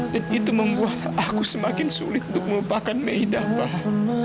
dan itu membuat aku semakin sulit untuk melupakan aida pak